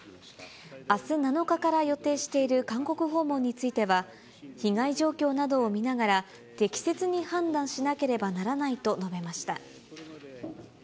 あす７日から予定している韓国訪問については、被害状況などを見ながら、適切に判断しなければならないと述べました。